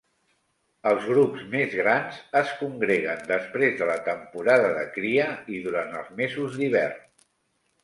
Els grups més grans es congreguen després de la temporada de cria i durant els mesos d'hivern.